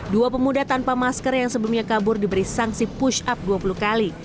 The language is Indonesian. dua pemuda tanpa masker yang sebelumnya kabur diberi sanksi push up dua puluh kali